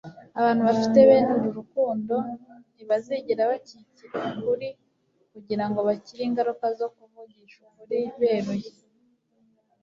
Abantu bafite bene uru rukundo ntibazigera bakikira ukuri kugira ngo bakire ingaruka zo kuvugisha ukuri beruye